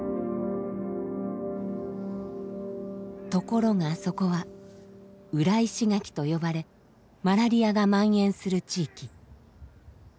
ところがそこは「裏石垣」と呼ばれマラリアがまん延する地域。